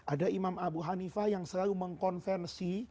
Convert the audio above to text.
ada imam abu hanifah yang selalu mengkonversi